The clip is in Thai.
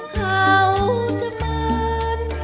เขาจะมานี่นะครับ